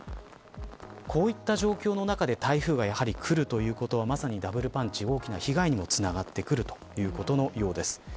こういった状況の中で台風がやはり来るということはまさにダブルパンチ、大きな被害にもつながってくるということのようです。